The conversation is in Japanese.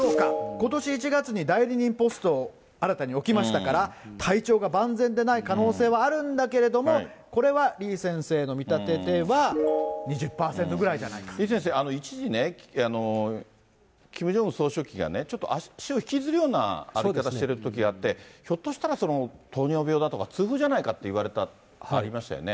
ことし１月に代理人ポストを新たに置きましたから、体調が万全でない可能性はあるんだけれども、これは李先生の見立てでは、李先生、一時ね、キム・ジョンウン総書記がね、ちょっと足を引きずるような歩き方してるときがあって、ひょっとしたら、糖尿病だとか痛風じゃないかっていわれたことありましたよね。